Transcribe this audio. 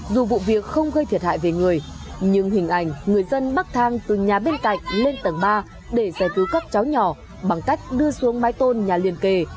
dù vụ việc không gây thiệt hại về người nhưng hình ảnh người dân mắc thang từ nhà bên cạnh lên tầng ba để giải cứu các cháu nhỏ bằng cách đưa xuống mái tôn nhà liên kề